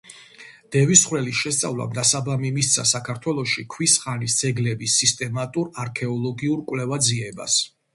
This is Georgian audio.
დევისხვრელის შესწავლამ დასაბამი მისცა საქართველოში ქვის ხანის ძეგლების სისტემატურ არქეოლოგიურ კვლევა-ძიებას.